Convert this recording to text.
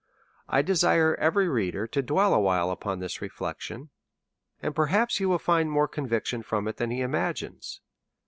I desire every reader to dwell awhile upon this re flection, and perhaps he will find more conviction from it then he imagines.